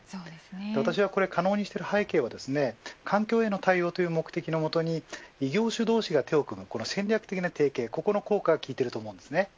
私は、これを可能にしている背景は、環境への対応という目的のもと異業種同士が手を組むこの戦略的な提携の効果が効いていると思います。